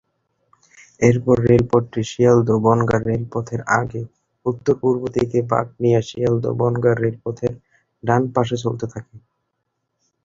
এর পরে রেলপথটি শিয়ালদহ-বনগাঁ রেলপথের আগে উত্তর-পূর্ব দিকে বাঁক নিয়ে শিয়ালদহ-বনগাঁ রেলপথের ডান পাশে চলতে থাকে।